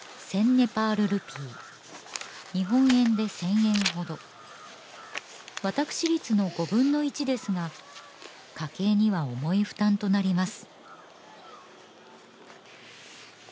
ネパールルピー日本円で１０００円ほど私立の５分の１ですが家計には重い負担となります